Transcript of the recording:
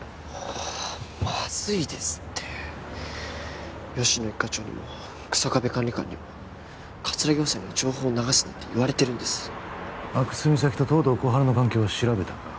まずいですって吉乃一課長にも日下部管理官にも葛城補佐には情報流すなって言われてるんです阿久津実咲と東堂心春の関係は調べたか？